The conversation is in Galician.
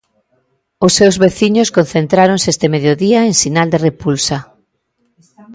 Os seus veciños concentráronse este mediodía en sinal de repulsa.